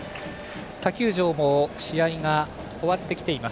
他球場も試合が終わってきています。